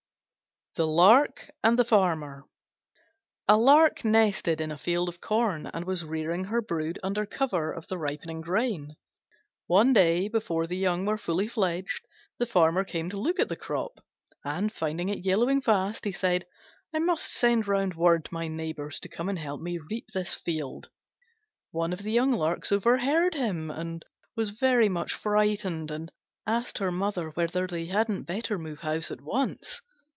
THE LARK AND THE FARMER A Lark nested in a field of corn, and was rearing her brood under cover of the ripening grain. One day, before the young were fully fledged, the Farmer came to look at the crop, and, finding it yellowing fast, he said, "I must send round word to my neighbours to come and help me reap this field." One of the young Larks overheard him, and was very much frightened, and asked her mother whether they hadn't better move house at once.